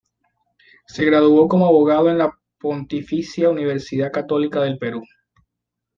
Se graduó como abogado en la Pontificia Universidad Católica del Perú.